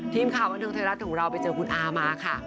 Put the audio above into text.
ทีมข่าวบันเทิงไทยรัฐของเราไปเจอคุณอามาค่ะ